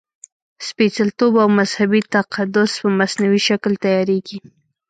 سپېڅلتوب او مذهبي تقدس په مصنوعي شکل تیارېږي.